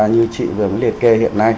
như chị vừa mới liệt kê hiện nay